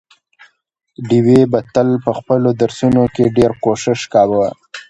ډېوې به تل په خپلو درسونو کې ډېر کوښښ کاوه،